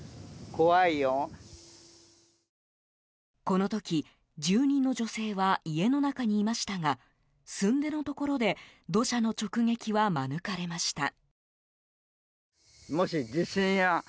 この時、住人の女性は家の中にいましたがすんでのところで土砂の直撃は免れました。